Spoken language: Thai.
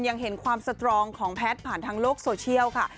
ยังเห็นความสตรองของแพทย์ผ่านทางโลกโซเชียลค่ะ